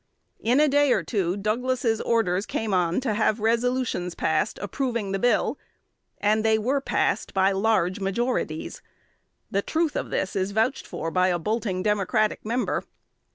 In a day or two Douglas's orders came on to have resolutions passed approving the bill; and they were passed by large majorities!!! The truth of this is vouched for by a bolting Democratic member.